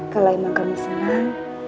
kalau emang kamu senang